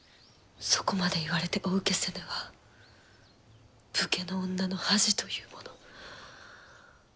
そこまで言われてお受けせぬは武家の女の恥というもの。